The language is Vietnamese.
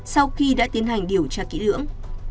sau khi đã tiến hành điều tra kỹ lưỡng